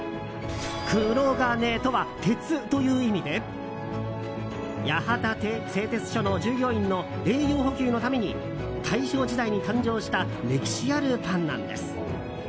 くろがねとは鉄という意味で八幡製鉄所の従業員の栄養補給のために大正時代に誕生した歴史あるパンなんです。